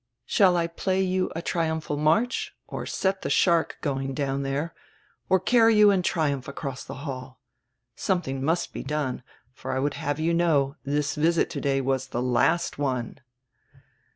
Shall I play you a triumphal march, or set die shark going out diere, or carry you in triumph across die hall? Something must be done, for I would have you know, diis visit today was the last one."